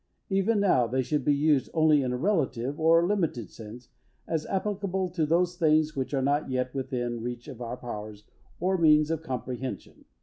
Even now they should be used only in a relative or limited sense, as applicable to those things which are not yet within reach of our powers, or means of comprehension.